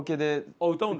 あっ歌うんだ。